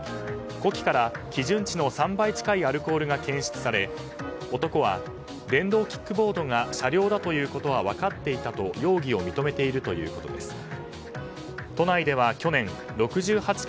呼気から基準値の３倍近いアルコールが検出され男は、電動キックボードが車両だということは分かっていたと容疑を認めているということです。